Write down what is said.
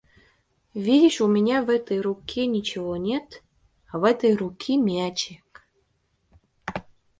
Видишь у меня в этой руке ничего нет, а в этой руке мячик.